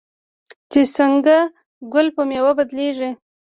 چې څنګه ګل په میوه بدلیږي.